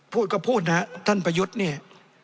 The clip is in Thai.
พูดก็พูดนะท่านประยุทธ์เนี่ย